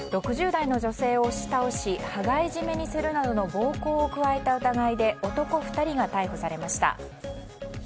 ６０代の女性を押し倒し羽交い締めにするなどの暴行を加えた疑いで男２人が逮捕されました。